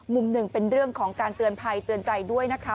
มุมหนึ่งเป็นเรื่องของการเตือนภัยเตือนใจด้วยนะคะ